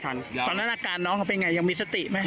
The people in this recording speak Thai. ตอนนั้นอาการของน้องยังมิสติไหม